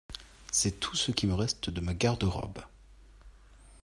C’est tout ce qui me reste de ma garde-robe.